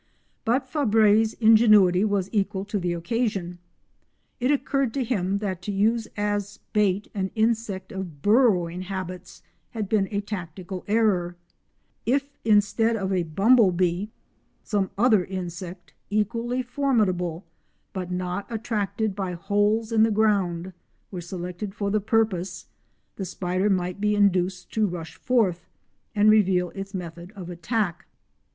But Fabre's ingenuity was equal to the occasion. It occurred to him that to use as a bait an insect of burrowing habits had been a tactical error; if instead of a bumble bee some other insect, equally formidable, but not attracted by holes in the ground, were selected for the purpose, the spider might be induced to rush forth and reveal its method of attack.